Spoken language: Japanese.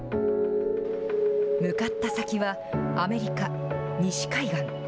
向かった先は、アメリカ西海岸。